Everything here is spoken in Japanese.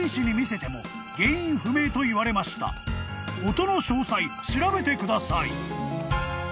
「音の詳細調べてください」